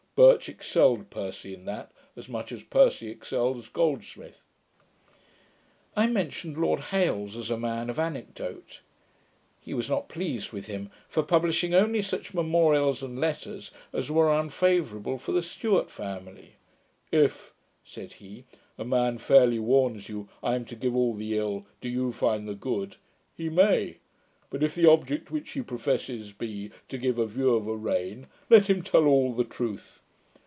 Birch excelled Percy in that, as much as Percy excels Goldsmith.' I mentioned Lord Hailes as a man of anecdote. He was not pleased with him, for publishing only such memorials and letters as were unfavourable for the Stuart family. 'If,' said he, 'a man fairly warns you, "I am to give all the ill; do you find the good", he may: but if the object which he professes be to give a view of a reign, let him tell all the truth.